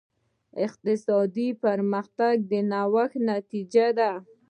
اقتصادي پرمختګ د نوښت نتیجه ده.